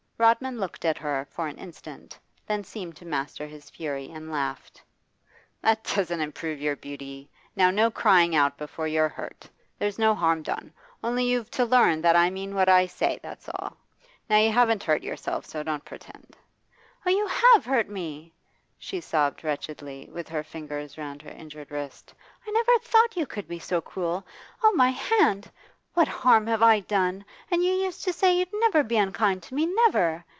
Rodman looked at her for an instant, then seemed to master his fury and laughed. 'That doesn't improve your beauty. Now, no crying out before you're hurt. There's no harm done. Only you've to learn that I mean what I say, that's all. Now I haven't hurt you, so don't pretend.' 'Oh, you have hurt me!' she sobbed wretchedly, with her fingers round her injured wrist. 'I never thought you could be so cruel. Oh, my hand! What harm have I done? And you used to say you'd never be unkind to me, never!